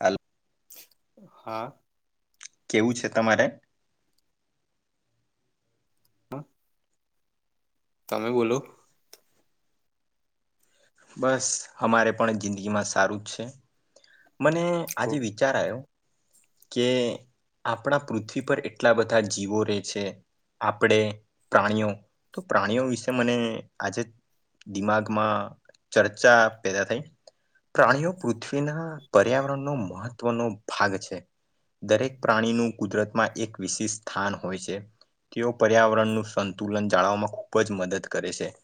Hello. હા. કેવું છે તમારે? હ. તમે બોલો? બસ અમારે પણ જિંદગીમાં સારું જ છે. મને કો આજે વિચારો આયો કે આપણા પૃથ્વી પર એટલા બધા જીવો રે છે, આપણે પ્રાણીઓ તો પ્રાણીઓ વિશે મને આજે દિમાગમાં ચર્ચા પેદા થઈ પ્રાણીઓ પૃથ્વીના પર્યાવરણનો મહત્વનો ભાગ છે, દરેક પ્રાણીનું કુદરતમાં એક વિશેષ સ્થાન હોય છે, તેઓ પર્યાવરણનું સંતુલન જાળવવામાં ખૂબ જ મદદ કરે છે.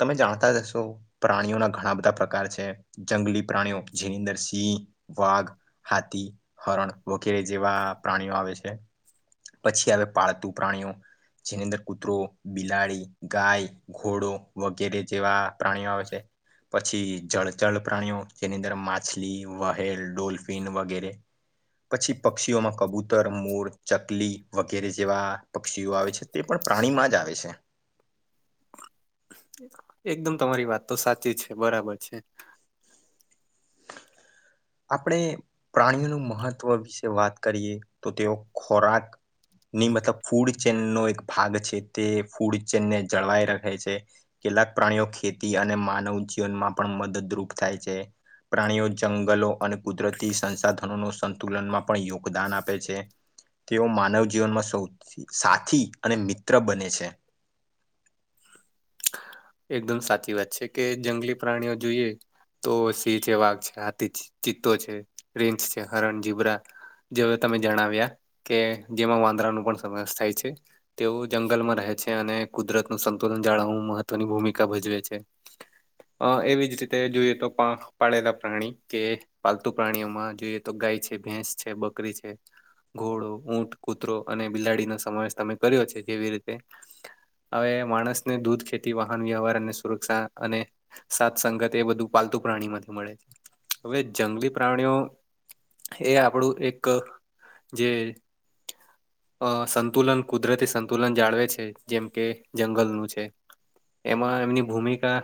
તમે જાણતા હશો, પ્રાણીઓના ઘણા બધા પ્રકાર છે, જંગલી પ્રાણીઓ, જીવિન્દ્ર સિંહ વાઘ, હાથી, હરણ વગેરે જેવા પ્રાણીઓ આવે છે, [inaudible] પછી આવે પાળતું પ્રાણીઓ જેની અંદર કૂતરો, બિલાડી, ગાય, ઘોડો વગેરે જેવા પ્રાણીઓ આવે છે. પછી જળચળ પ્રાણીઓ જેની અંદર માછલી, વહેલ, ડોલ્ફિન વગેરે પછી પક્ષીઓમાં કબૂતર, મોર, ચક કલી વગેરે જેવા પક્ષીઓ આવે છે, તે પણ પ્રાણીમાં જ આવે છે. એકદમ તમારી વાત તો સાચી છે, બરાબર છે. આપણે પ્રાણીઓનું મહત્વ વિશે વાત કરીએ તો તેઓ ખોરાક ની મતલબ ફૂડ ચેન નો એક ભાગ છે, તે ફૂડ ચેનને જળવાઈ રાખે છે. કેટલાક પ્રાણીઓ ખેતી અને માનવ પણ મદદરૂપ છે, પ્રાણીઓ જંગલો અને કુદરતી સંસાધનો નું સંતુલનમાં પણ યોગદાન આપે છે, તેઓ માનવ જીવનમાં સૌથી સાથી અને મિત્ર બને છે. એકદમ સાચી વાત છે. કે જંગલી પ્રાણીઓ જોઈએ, તો સિંહ છે, વાઘ છે, હાથી છે, ચિત્તો છે, રીંછ છે, હરણ, જીબરા જેવા તમે જણાવ્યા કે જેમાં વાંદરા નું પણ સમાવેશ થાય છે. તેઓ જંગલમાં રહે છે. અને કુદરત નું સંતુલન જાળવવા માં મહત્વની ભૂમિકા ભજવે છે. અ એવી જ રીતે જોઈએ તો પાંખ પાડેલા પ્રાણી જે પાલતુ પ્રાણીઓમાં જોઈએ તો ગાય છે, ભેંસ છે, બકરી છે. ઘોડો, ઊંટ, કૂતરો અને બિલાડીનો સમાવેશ તમે કર્યો છે. એવી રીતે અવે માણસને દૂધ ખેત તે વાહન વ્યવહાર અને સુરક્ષા અને સાત સંગત એ બધું પાલતુ પ્રાણી થી મળે. હવે જંગલી પ્રાણીઓ એ આપણું એક જે અ સંતુલન કુદરતી સંતુલન જાળવે છે. જેમ કે જંગલનું છે. એમાં એમની ભૂમિકા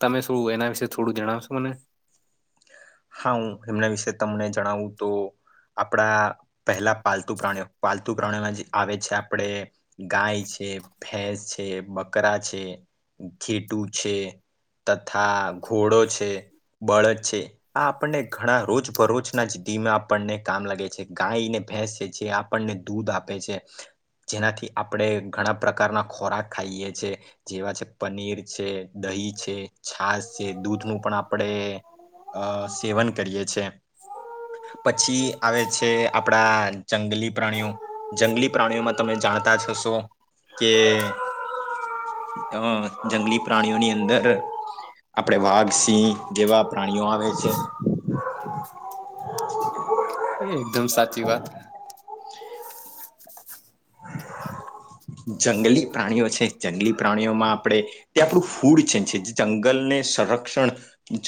તમે શું. એના વિશે થોડું જણાવશો મને? હા હું એમણા વિશે તમને જણાવું તો, આપણા પહેલા પાલતુ પ્રાણીઓ પાલતુ પ્રાણીઓમાં જે આવે છે આપણે ગાય છે, ભેંસ છે, બકરા છે, ઘેટું છે, તથા ઘોડો છે, બળદ છે, આ આપણને ઘણા રોજ બરોજ ના જદીમાં આપણને કામ લાગે છે ગાયને ભેંસ છે જે. આપણને દૂધ આપે છે. જેનાથી આપણે ઘણા પ્રકારના ખોરાક ખાઈએ છીએ. જેવા છે પનીર છે. દહી છે, છાસ છે, દૂધ નું પણ આપણે અ સેવન કરીએ છે. પછી આવે છે, આપણા જંગલી પ્રાણીઓ જંગલી પ્રાણીઓમાં તમે જાણતા જ હશો કે અ જંગલી પ્રાણીઓની અંદર આપણેે વાઘ, સિંહ જેવા પ્રાણીઓ આવે છે. એકદમ સાચી વાત. જંગલી પ્રાણીઓ છે. જંગલી પ્રાણીઓમાં આપણે તે આપણું ફૂડ છે છે. જંગલને સંરક્ષણ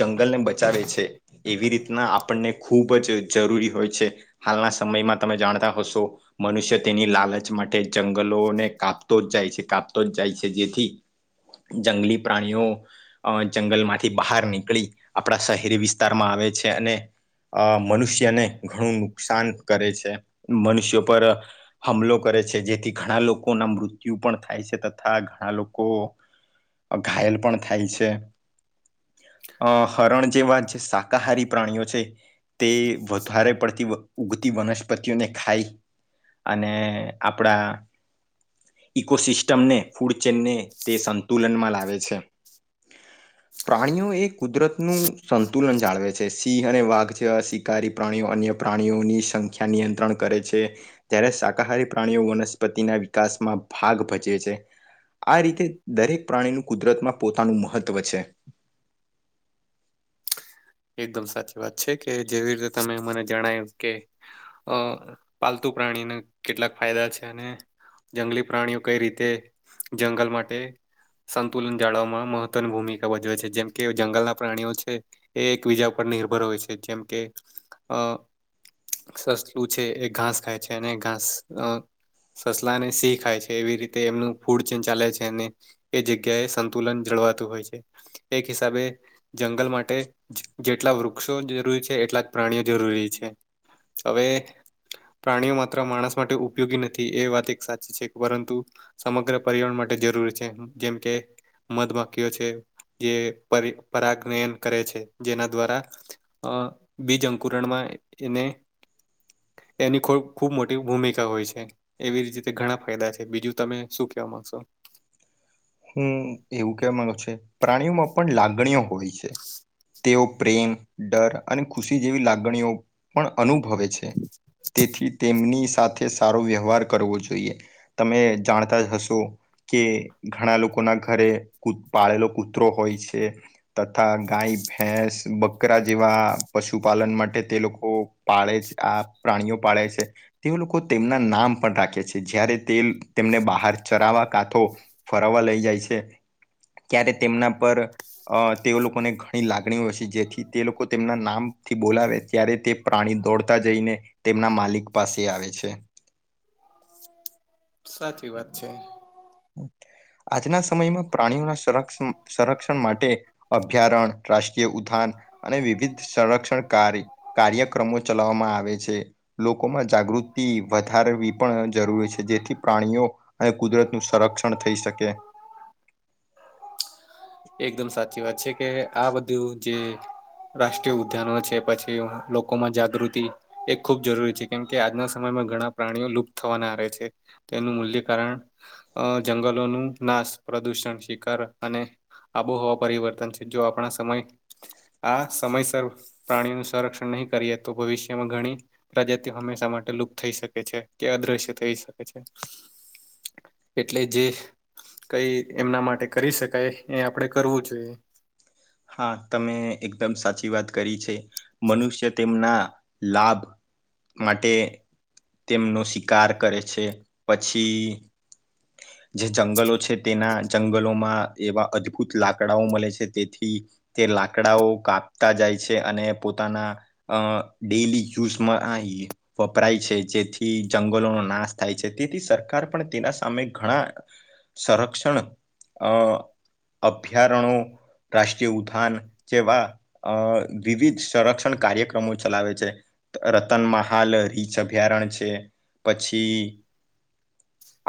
જંગલને બચાવે છે. એવી રીતના આપણને ખૂબ જ જરૂરી હોય છે. હાલના સમયમાં તમે જાણતા હશો. મનુષ્ય તેની લાલચ જ માટે જંગલોને કાપતો જ જાય છે. કાપતો જ જાય છે. જેથી જંગલી પ્રાણીઓ અ જંગલ માંથી બહાર નીકળી આપણા શહેરી વિસ્તારમાં આવે છે. અને અ મનુષ્યને ઘણું નુકસાન કરે છે. મનુષ્યો પર હમલો કરે છે જેથી ઘણા લોકો ના મૃત્યુ પણ થાય છે. તથા ઘણા લોકો અ ઘાયલ પણ થાય છે. અ હરણ જેવા જે શાકાહારી પ્રાણીઓ છે. તે વધારે પડતી ઉઊગતી વનસ્પતિઓને ખાઈ. અને આપણા ઇકોસિસ્ટમને ફૂડ ચેનને તે સંતુલનમાં લાવે છે. પ્રાણીઓ એ કુદરત નું સંતુલન જાળવે છે. સિંહ અને વાઘ જેવા સિ કારી પ્રાણીઓ અન્ય પ્રાણીઓની સંખ્યા નિયંત્રણ કરે છે. ત્યારે શાકાહારી પ્રાણીઓ વનસ્પતિના વિકાસમાં ભાગ ભજવે છે. આ રીતે દરેક પ્રાણીનું કુદરતમાં પોતાનું મહત્વ છે. એકદમ સાચી વાત છે. કે જેવી રીતે તમે મને જણાયું કે, અ પાલતુ પ્રાણીને કેટલાક ફાયદા છે. અને જંગલી પ્રાણીઓ કઈ રીતે જંગલ માટે, સંતુલન જાળવવામાં મહત્વની ભૂમિકા ભજવે છે. જેમ કે જંગલના પ્રાણીઓ છે. એ એકબીજા ઉપર નિર્ભર હોય છે. જેમ કે અ સસલું છે એ ઘાસ ખાય છે, અને ઘાસ સસલાને સિંહ ખાય છે એવી રીતે એમનું ફૂડ ચેન ચાલે છે અને એ જગ્યાએ સંતુલન જળવાતું હોય છે. એક હિસાબે જંગલ માટે જેટલા વૃક્ષો જરૂરી છે, એટલા જ પ્રાણીઓ જરૂરી છે. હવે પ્રાણીઓ માત્ર માણસ માટે ઉપયોગી નથી, એ વાત એક સાચી છે. પરંતુ સમગ્ર પર્યાવરણ માટે જરૂરી છે. જેમ કે મધમાકીઓ છે, જે પરી પરાગયન કરે છે. જેના દ્વારા અ બીજ અંકુરણમાં એને એની ખૂબ ખૂબ મોટી ભૂમિકા હોય છે. એવી રીતે ઘણા ફાયદા છે. બીજું તમે શું કેવા માંગશો? હું એવું કેવા માંગુ છું, પ્રાણીઓમાં પણ લાગણીઓ હોય છે. તેઓ પ્રેમ ડર અને ખુશી જેવી લાગણીઓ પણ અનુભવે છે. તેથી તેમની સાથે સારો વ્યવહાર કરવો જોઈએ. તમે જાણતા જ હશો કે ઘણા લોકો ના ઘરે કુત પાળેલો કૂતરો હોય છે. તથા ગાય ભેંસ બકરા જેવા પશુપાલન માટે તે લોકો પાળે છે આ પ્રાણીઓ પાળે છે. તે લોકો તેમના નામ પણ રાખે છે. જ્યારે તે તેમને બહાર ચરાવા કાંતો ફરાવવા લઈ જાય છે, ત્યારે તેમના પર અ તેઓ લોકોને ઘણી લાગણીઓ હોય છે, જેથી તે લોકો તેમના નામથી બોલાવે ત્યારે તે પ્રાણી દોડતા જઈને તેમના માલિક પાસે આવે છે. સાચી વાત છે. આજના સમયમાં પ્રાણીઓના સંરક્ષણ સંરક્ષણ માટે, અભ્યારણ રાષ્ટ્રીય ઉધાન, અને વિવિધ સંરક્ષણ કાર્ય કાર્યક્રમો ચલાવવામાં આવે છે. લોકોમાં જાગૃતિ વધારવી પણ જરૂરી છે, જેથી પ્રાણીઓ અને કુદરતનું સંરક્ષણ થઈ શકે. એકદમ સાચી વાત છે, કે આ બધું જે રાષ્ટ્રીય ઉદ્યાનો છે, પછી લોકોમાં જાગૃતિ એ ખુબ જરૂરી છે, કેમ કે આજના સમયમાં ઘણા પ્રાણીઓ લુપ્ત થવાના આરે છે. તેનું મૂલ્ય કારણ અ જંગલોનું નાશ પ્રદૂષણ શિકાર અને આબોહવા પરિવર્તન છે. જો આપણા સમય આ સમયસર પ્રાણીઓનું સંરક્ષણ નહીં કરીએ, તો ભવિષ્યમાં ઘણી પ્રજાતિઓ હંમેશા માટે લુપ્ત થઈ શકે છે, કે અદ્રશ્ય થઈ શકે છે. એટલે જે કંઈ એમના માટે કરી શકાય એ આપડે કરવું જોઈએ. હા તમે એકદમ સાચી વાત કરી છે. મનુષ્ય તેમના લાભ માટે તેમનો શિકાર કરે છે. પછી જે જંગલો છે તેના જંગલોમાં એવા અદભુત લાકડાઓ મળે છે તેથી તે લાકડાઓ કાપતા જાય છે અને પોતાના અ ડેલી યુઝમાં આઈ એ વપરાય છે જેથી જંગલોનો નાશ થાય છે તેથી સરકાર પણ તેના સામે ઘણા સંરક્ષણ અ અભયારણો રાષ્ટ્રીય ઉધાન જેવા અ વિવિધ સંરક્ષણ કાર્યક્રમો ચલાવે છે. રતન માહાલ રીંછ અભયારણ્ય છે પછી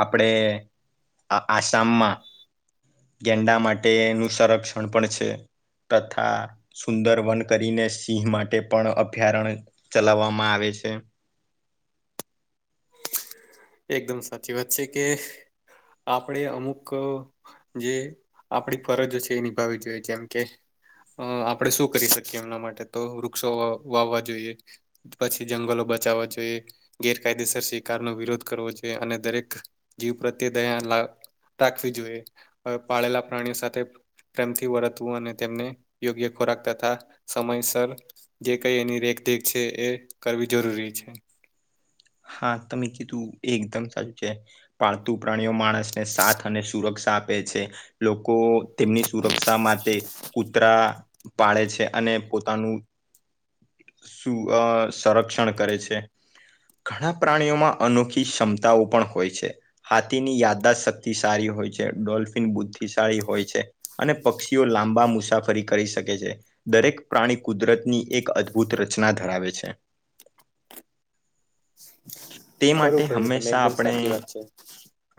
આપણે આસામમાં ગેંડા માટેનું સંરક્ષણ પણ છે તથા સુંદર વન કરીને સિંહ માટે પણ ત્યાં અભયારણ્ય ચલાવવામાં આવે છે. એકદમ સાચી વાત છે કે આપણે અમુક અ જે આપણી ફરજ છે એ નિભાવી જોઈએ જેમ કે અ આપણે શું કરી શકીએ એમના માટે તો વૃક્ષો વાવવા જોઈએ. પછી જંગલો બચાવવા જોઈએ ગેરકાયદેસર શિકારનો વિરોધ કરવો જોઈએ અને દરેક જીવ પ્રત્યે દયા રાખ રાખવી જોઈએ પાળેલા પ્રાણીઓ સાથે પ્રેમથી વર્તવું અને તેમને યોગ્ય ખોરાક તથા સમયસર જે કંઈ એની રેખદેખ છે એ કરવી જરૂરી છે. હા તમે કીધું એ એકદમ સાચું છે. પાલતુ પ્રાણીઓ માણસને સાથ અને સુરક્ષા આપે છે. લોકો તેમની સુરક્ષા માટે કૂતરા પાળે છે અને પોતાનું અ સંરક્ષણ કરે છે. ઘણા પ્રાણીઓમાં અનોખી ક્ષમતાઓ પણ હોય છે. હાથીની યાદદાસ્ત શક્તિશારી હોય છે ડોલ્ફિન બુદ્ધિશાળી હોય છે. અને પક્ષીઓ લાંબા મુસાફરી કરી શકે છે. દરેક પ્રાણી કુદરતની એક અદભુત રચના ધરાવે છે. તે માટે ખરેખર તમે હંમેશા એકદમ આપણે સાચી વાત છે.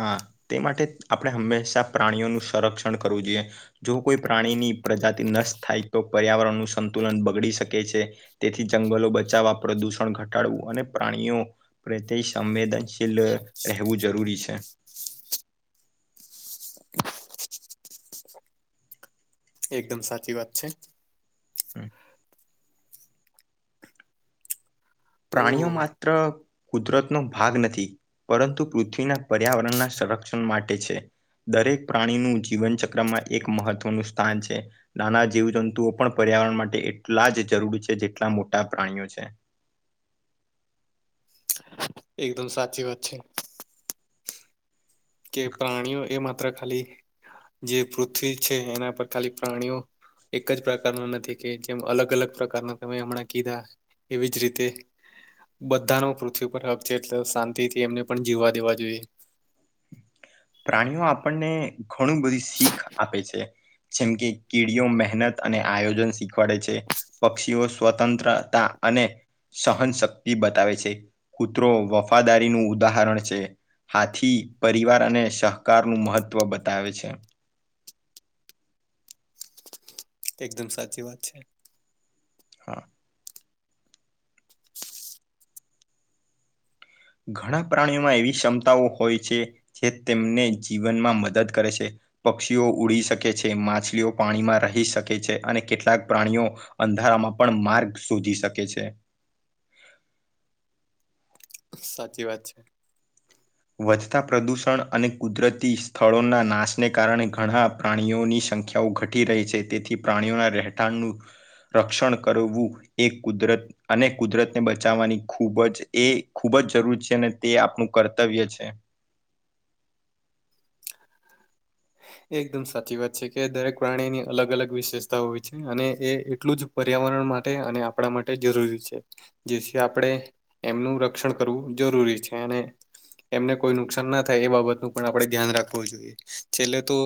હા તે માટે આપણે હંમેશા પ્રાણીઓનું સંરક્ષણ કરવું જોઈએ. જો કોઈ પ્રાણીની પ્રજાતિ નષ્ટ થાય તો પર્યાવરણનું સંતુલન બગડી શકે છે. તેથી જંગલો બચાવવા, પ્રદુષણ ઘટાડવું અને પ્રાણીઓ પ્રત્યે સંવેદનશીલ રહેવું જરૂરી છે. એકદમ સાચી વાત છે. હમ. તો પ્રાણીઓ માત્ર કુદરતનો ભાગ નથી. પરંતુ પૃથ્વીના પર્યાવરણના સંરક્ષણ માટે છે. દરેક પ્રાણીનું જીવનચક્રમાં એક મહત્ત્વનું સ્થાન છે. નાના જીવજંતુઓ પણ પર્યાવરણ માટે એટલા જ જરૂરી છે જેટલા મોટા પ્રાણીઓ છે. એકદમ સાચી વાત છે. કે પ્રાણીઓ એ માત્ર ખાલી જે પૃથ્વી છે એના પર ખાલી પ્રાણીઓ એક જ પ્રકારના નથી કે જેમ અલગ અલગ પ્રકારના તમે હમણાં કીધા એવી જ રીતે બધાનો પૃથ્વી પર હક છે એટલે શાંતિથી એમને પણ જીવવા દેવા જોઈએ. પ્રાણીઓ આપણને ઘણી બધી શીખ આપે છે. જેમ કે કીડીઓ મહેનત અને આયોજન શીખવાડે છે. પક્ષીઓ સ્વતંત્રતા અને સહનશક્તિ બતાવે છે કૂતરો વફાદારીનું ઉદાહરણ છે. હાથી પરિવાર અને સહકારનું મહત્ત્વ બતાવે છે. એકદમ સાચી વાત છે. હા. [inaudible] ઘણા પ્રાણીઓમાં એવી સમતાઓ હોય છે જે તેમને જીવનમાં મદદ કરે છે. પક્ષીઓ ઉડી શકે છે, માછલીઓ પાણીમાં રહી શકે છે અને કેટલાક પ્રાણીઓ અંધારામાં પણ માર્ગ શોધી શકે છે. સાચી વાત છે. વધતાં પ્રદૂષણ અને કુદરતી સ્થળોના નાશને કારણે ઘણા પ્રાણીઓની સંખ્યાઓ ઘટી રહી છે તેથી પ્રાણીઓના રહેઠાણનું રક્ષણ કરવું એ કુદરત અને કુદરતને બચાવવાની ખૂબ જ એ ખૂબ જ જરૂરી છે અને તે આપણું કર તબિય છે. એ એકદમ સાચી વાત છે કે દરેક પ્રાણીની અલગ અલગ વિશેષતા હોય છે અને એ એટલું જ પર્યાવરણ માટે અને આપણા માટે જરૂરી છે. જેથી આપણે એમનું રક્ષણ કરવું જરૂરી છે અને એમને કોઈ નુકસાન ના થાય એ બાબતનું પણ આપણે ધ્યાન રાખવું જોઈએ. છેલે તો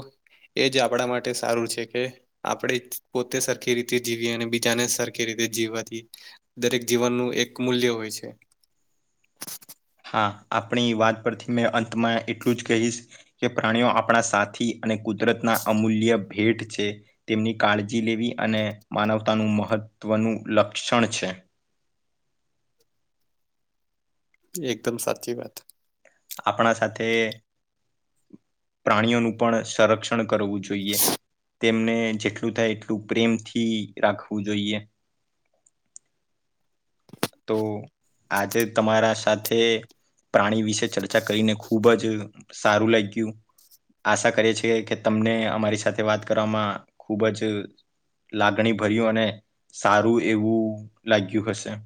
એ જ આપણા માટે સારું છે કે આપણે પોતે સરખી રીતે જીવીએ અને બીજાને સરખી રીતે જીવવા દઈએ. દરેક જીવનનું એક મૂલ્ય હોય છે. હા આપણી વાત પરથી મેં અંતમાં એટલું જ કહીશ કે પ્રાણીઓ આપણા સાથી અને કુદરતના અમૂલ્ય ભેટ છે. તેમની કાળજી લેવી અને માનવતાનું લક્ષણ છે. એકદમ સાચી વાત. આપણા સાથે પ્રાણીઓનું પણ સંરક્ષણ કરવું જોઈએ તેમને જેટલું થાય એટલું પ્રેમથી રાખવું જોઈએ. તો આજે તમારા સાથે પ્રાણી વિશે ચર્ચા કરીને ખુબ ખુબ જ સારું લાગ્યું. આશા કરીએ છેએ કે તમને અમારી સાથે વાત કરવામાં ખૂબ જ લાગણી ભર્યું અને સારું એવું લાગ્યું હશે.